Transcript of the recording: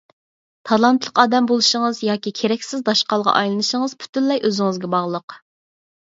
تالانتلىق ئادەم بولۇشىڭىز ياكى كېرەكسىز داشقالغا ئايلىنىشىڭىز پۈتۈنلەي ئۆزىڭىزگە باغلىق.